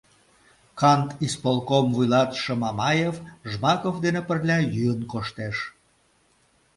Кантисполком вуйлатыше Мамаев Жмаков дене пырля йӱын коштеш.